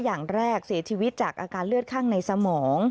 อย่างแรกเสียชีวิตจากอาการเลือดข้างในสมอง